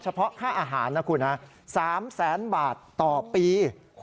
เพาะค่าอาหารนะคุณนะ๓แสนบาทต่อปี